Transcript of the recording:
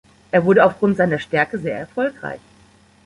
Er wurde aufgrund seiner Stärke sehr erfolgreich.